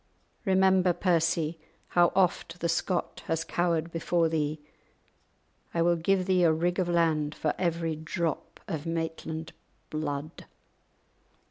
Remember, Percy, how oft the Scot has cowered before thee; I will give thee a rig of land for every drop of Maitland blood."